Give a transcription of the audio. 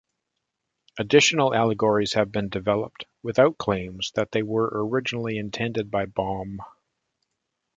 Additional allegories have been developed, without claims that they were originally intended by Baum.